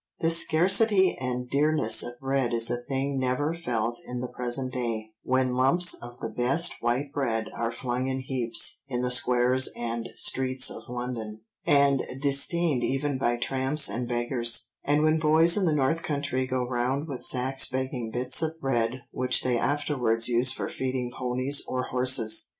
This scarcity and dearness of bread is a thing never felt in the present day, when lumps of the best white bread are flung in heaps in the squares and streets of London, and disdained even by tramps and beggars, and when boys in the North Country go round with sacks begging bits of bread which they afterwards use for feeding ponies or horses!